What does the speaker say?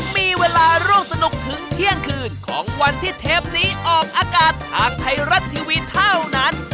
มีเวลาร่วมสนุกถึงเที่ยงคืนของวันที่เทปนี้ออกอากาศทางไทยรัฐทีวีเท่านั้น